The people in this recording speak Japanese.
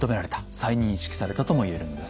再認識されたとも言えるんです。